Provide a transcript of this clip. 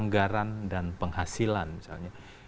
anggaran dan penghasilan misalnya